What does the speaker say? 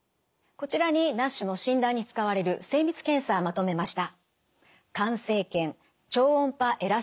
こちらにＮＡＳＨの診断に使われる精密検査まとめました。